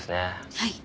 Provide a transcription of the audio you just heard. はい。